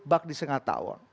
bak di sengat tahun